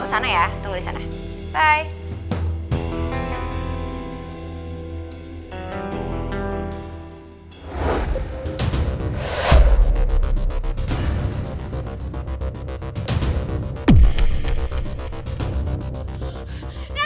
kesana ya tunggu di sana bye